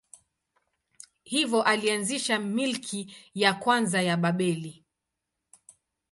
Hivyo alianzisha milki ya kwanza ya Babeli.